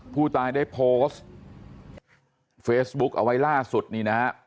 ผู้ตายได้โพสต์เฟซบุ๊กเอาไว้ล่าสุดนี่นะฮะ